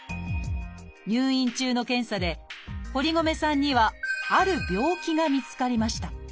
入院中の検査で堀米さんにはある病気が見つかりました。